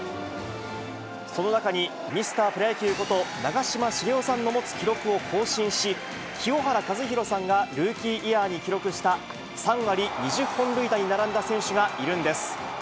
その中に、ミスタープロ野球こと、長嶋茂雄さんの持つ記録を更新し、清原和博さんがルーキーイヤーに記録した３割２０本塁打に並んだ選手がいるんです。